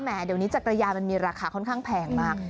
เดี๋ยวนี้จักรยานมันมีราคาค่อนข้างแพงมาก